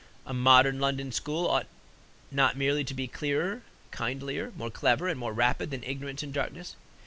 A modern London school ought not merely to be clearer, kindlier, more clever and more rapid than ignorance and darkness.